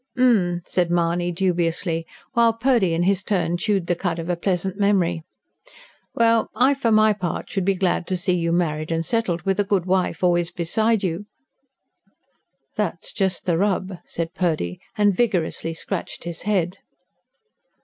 "H'm!" said Mahony dubiously; while Purdy in his turn chewed the cud of a pleasant memory. "Well, I for my part should be glad to see you married and settled, with a good wife always beside you." "That's just the rub," said Purdy, and vigorously scratched his head.